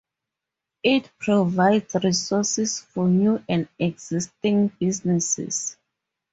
It provides resources for new and existing businesses.